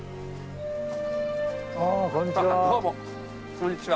こんにちは。